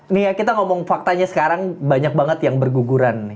nih ya kita ngomong faktanya sekarang banyak banget yang berguguran